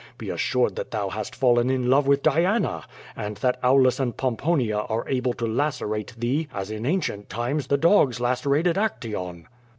Be assured that thou hast fallen in love with Diana, and that Aulus and Pomponia are able to lacerate thee as in ancient times the dogs lacerated Actaeon.'